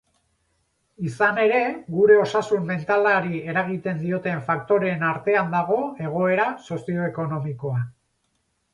Izan ere, gure osasun mentalari eragiten dioten faktoreen artean dago egoera sozioekonomikoa.